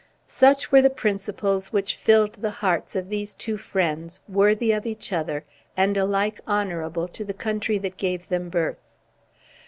Such were the principles which filled the hearts of these two friends, worthy of each other, and alike honorable to the country that gave them birth.